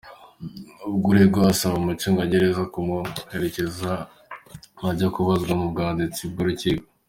Ubwo uregwa asaba umucungagereza kumuherekeza ajya kubaza mu bwanditsi bw’urukiko.